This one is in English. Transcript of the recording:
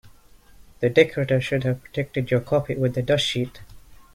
The decorator should have protected your carpet with a dust sheet